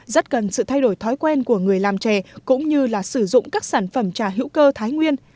rất cần sự thay đổi thói quen của người làm chè cũng như là sử dụng các sản phẩm trà hữu cơ thái nguyên